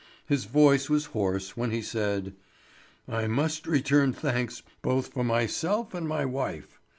His voice was hoarse when he said: "I must return thanks both for myself and my wife.